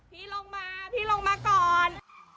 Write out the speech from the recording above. พี่ลงมาพี่ลงมาก่อน